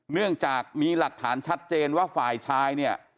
เนื่องจากมีหลักฐานชัดเจนว่าฝ่ายชายเนี่ย